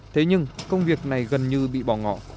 thế nhưng công việc này gần như bị bỏ ngỏ